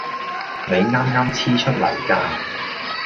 你啱啱黐出嚟㗎